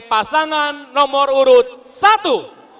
pasangan nomor urut satu